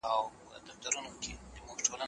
هغه به تر سبا پورې توکي پلورلي وي.